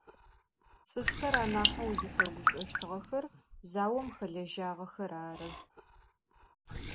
Ts'ıfxer anaheu zıfeguş'oştığexer zaom xelejağexer arı.